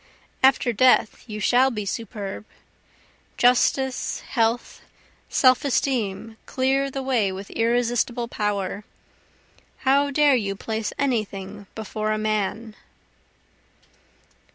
after death you shall be superb, Justice, health, self esteem, clear the way with irresistible power; How dare you place any thing before a man?